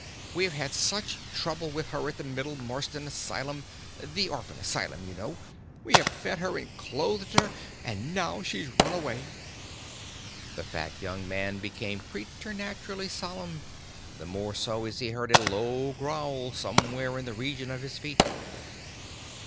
We have had such trouble with her at the Middle Marsden Asylum the orphan asylum, you know. We have fed her and clothed her, and now she's run away." The fat young man became preternaturally solemn, the more so as he heard a low growl somewhere in the region of his feet.